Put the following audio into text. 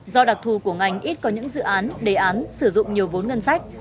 do đặc thù của ngành ít có những dự án đề án sử dụng nhiều vốn ngân sách